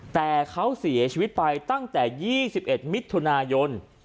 แต่เขาเสียชีวิตไปตั้งแต่๒๑มิถุนายน